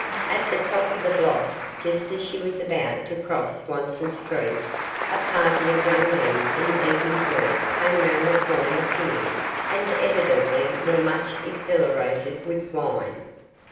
At the top of the block, just as she was about to cross Swanston Street, a party of young men in evening dress came round the corner singing, and evidently were much exhilarated with wine.